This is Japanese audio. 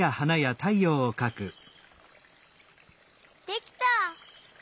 できた！